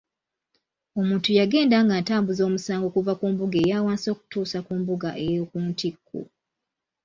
Omuntu yagenda ng’atambuza omusango okuva mu mbuga eya wansi okutuusa ku mbuga ey’oku ntikko.